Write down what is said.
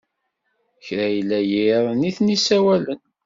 Kra yella yiḍ, nitni ssawalen.